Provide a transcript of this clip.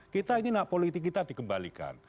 kita ini hak politik kita dikembalikan